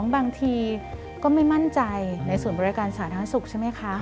บางทีก็ไม่มั่นใจในส่วนบริการสาธารณสุขใช่ไหมคะ